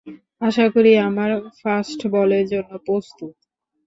আশা করি আমার ফাস্টবলের জন্য প্রস্তুত।